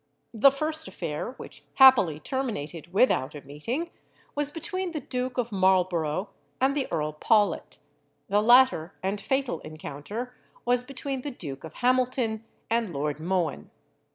The first affair, which happily terminated without a meeting, was between the Duke of Marlborough and the Earl Pawlet; the latter and fatal encounter was between the Duke of Hamilton and Lord Mohun.